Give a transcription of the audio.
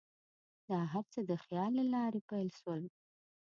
دا هر څه د خیال له لارې پیل شول.